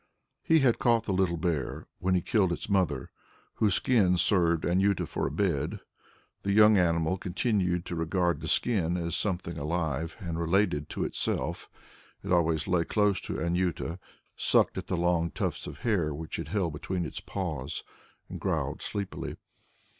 He had caught the little bear, when he killed its mother, whose skin served Anjuta for a bed. The young animal continued to regard the skin as something alive and related to itself; it always lay close to Anjuta, sucked at the long tufts of hair which it held between its paws, and growled sleepily.